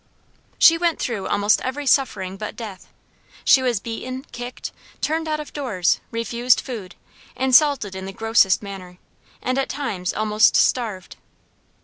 She went through almost every suffering but death. She was beaten, kicked, turned out of doors, refused food, insulted in the grossest manner, and at times almost starved.